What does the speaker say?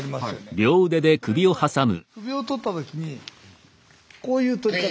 これも首を取った時にこういう取り方。